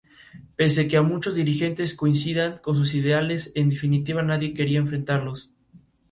Pese a que muchos dirigentes coincidían con sus ideales, en definitiva nadie quería enfrentarlos.